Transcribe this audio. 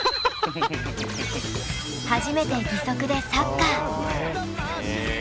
初めて義足でサッカー。